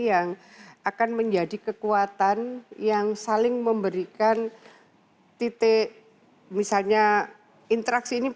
yang akan menjadi kekuatan yang saling memberikan titik misalnya interaksi ini